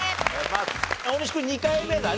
大西君２回目だね。